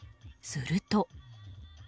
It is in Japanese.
すると。